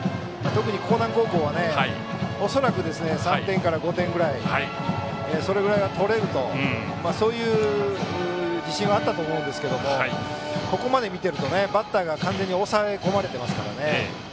特に興南高校は恐らく３点から５点くらいそれぐらいは取れるというそういう自信はあったと思うんですがここまで見ているとバッターが完全に抑え込まれてますからね。